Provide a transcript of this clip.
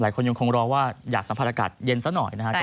ยังคงรอว่าอยากสัมผัสอากาศเย็นซะหน่อยนะครับ